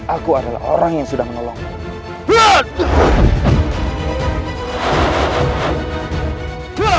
aku adalah orang yang sudah menolong